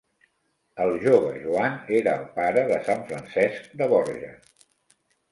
El jove Joan era el pare de sant Francesc de Borja.